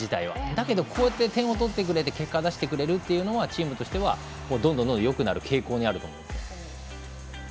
だけど、こうやって点を取ってくれて結果を出してくれるというのはチームとしてどんどんよくなる傾向にあると思います。